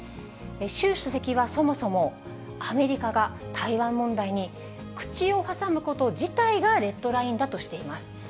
習主席はそもそも、アメリカが台湾問題に口を挟むこと自体がレッドラインだとしています。